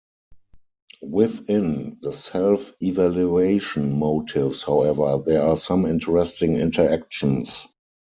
Within the self-evaluation motives however there are some interesting interactions.